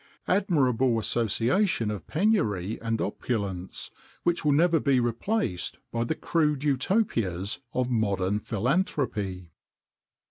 [XXIX 81] Admirable association of penury and opulence, which will never be replaced by the crude Utopias of modern philanthropy!